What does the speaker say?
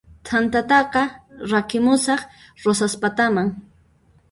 T'antataqa rakimusaq Rosaspataman